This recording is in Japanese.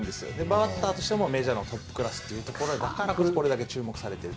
バッターとしてもメジャーのトップクラスということだからこれだけ注目されてると。